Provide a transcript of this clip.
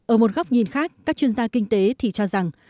ở một góc nhìn khác các chuyên gia kinh tế thì cho rằng